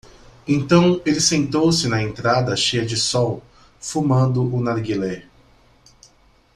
Então ele sentou-se na entrada cheia de sol, fumando o narguilé.